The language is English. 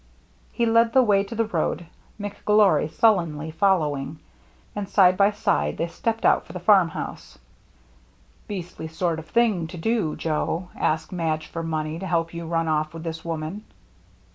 He led the way to the road, McGlory sullenly following ; and side by side they stepped out for the farm house. " Beastly sort of a thing to do, Joe, — ask Madge for money to help you run off with this woman."